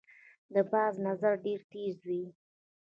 د باز نظر ډیر تېز وي